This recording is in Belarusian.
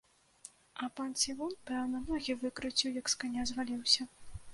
А пан цівун, пэўна, ногі выкруціў, як з каня зваліўся.